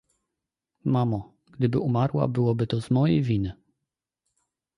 "Mamo, gdyby umarła, byłoby to z mojej winy."